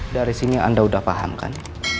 dari sini anda sudah paham kan